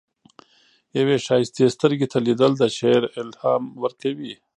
یوې ښایستې سترګې ته لیدل، د شعر الهام ورکوي.